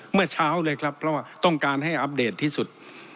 เมื่อเช้าเลยครับเพราะว่าต้องการให้อัปเดตที่สุด